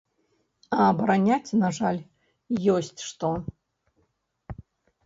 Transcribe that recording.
А абараняць, на жаль, ёсць што.